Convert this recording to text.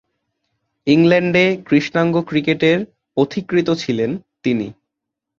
ইংল্যান্ডে কৃষ্ণাঙ্গ ক্রিকেটের পথিকৃৎ ছিলেন তিনি।